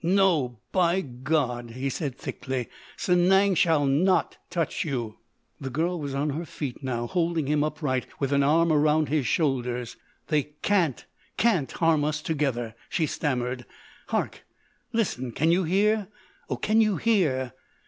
"No, by God," he said thickly, "Sanang shall not touch you." The girl was on her feet now, holding him upright with an arm around his shoulders. "They can't—can't harm us together," she stammered. "Hark! Listen! Can you hear? Oh, can you hear?"